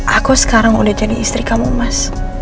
aku sekarang udah jadi istri kamu mas